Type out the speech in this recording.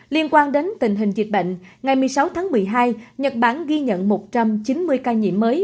liên quan đến tình hình dịch bệnh ngày một mươi sáu tháng một mươi hai nhật bản ghi nhận một trăm chín mươi ca nhiễm mới